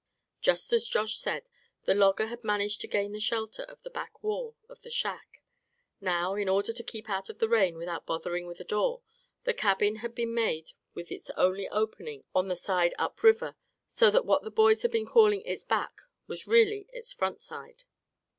Just as Josh said, the logger had managed to gain the shelter of the back wall of the shack. Now, in order to keep out the rain without bothering with a door, the cabin had been made with its only opening on the side up river; so that what the boys had been calling its back was really the front side.